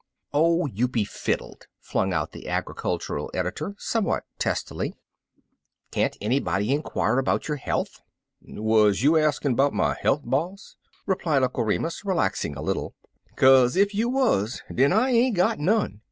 "Oh, you be fiddled!" flung out the agri cultural editor somewhat testily; "can't anybody inquire about your health?" "Wuz you axin' 'bout my healt* boss?" replied Uncle Remus, relaxing a little; "kaze ef you wuz den I ain't got none.